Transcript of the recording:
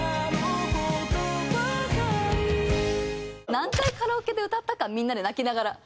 何回カラオケで歌ったかみんなで泣きながら。